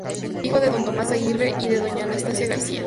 Hijo de don Tomás Aguirre y de doña Anastasia García.